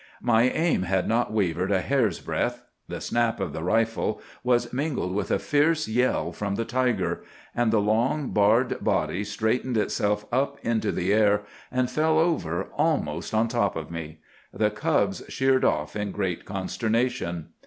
"'My aim had not wavered a hair's breadth. The snap of the rifle was mingled with a fierce yell from the tiger; and the long, barred body straightened itself up into the air, and fell over almost on top of me. The cubs sheered off in great consternation.